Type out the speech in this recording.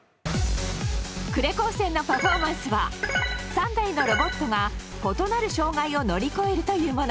呉高専のパフォーマンスは３台のロボットが異なる障害を乗り越えるというもの。